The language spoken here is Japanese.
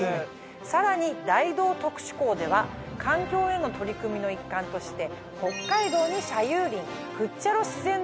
さらに大同特殊鋼では環境への取り組みの一環として。を保有。